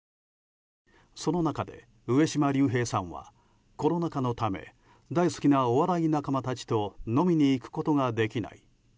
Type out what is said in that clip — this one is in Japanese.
その中で、上島竜兵さんはコロナ禍のため大好きなお笑い仲間たちと飲みに行くことができない。